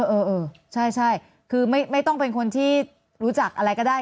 เออเออใช่คือไม่ต้องเป็นคนที่รู้จักอะไรก็ได้